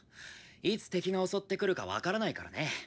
いつ敵が襲ってくるか分からないからね。